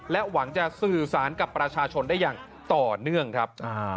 หวังจะสื่อสารกับประชาชนได้อย่างต่อเนื่องครับ